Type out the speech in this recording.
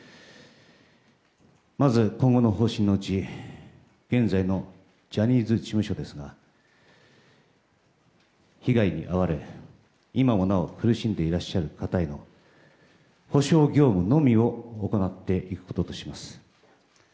まず、今後の方針のうち現在のジャニーズ事務所ですが被害に遭われ、今もなお苦しんでいらっしゃる方への補償業務のみを行っていくこととします。